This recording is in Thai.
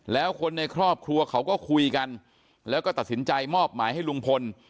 แล้วคนในครอบครัวเขาก็คุยกันแล้วก็ตัดสินใจมอบหมายให้ลุงพล